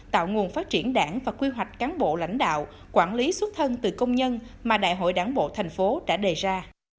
tạo nguồn phát triển đảng và quy hoạch cán bộ lãnh đạo quản lý xuất thân từ công nhân mà đại hội đảng bộ thành phố đã đề ra